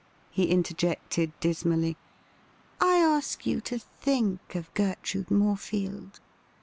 he interjected dismally. ' I ask you to think of Gertrude Morefield.